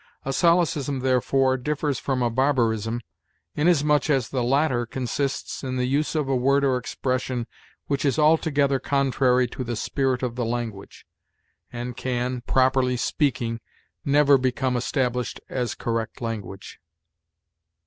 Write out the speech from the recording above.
A solecism, therefore, differs from a barbarism, inasmuch as the latter consists in the use of a word or expression which is altogether contrary to the spirit of the language, and can, properly speaking, never become established as correct language."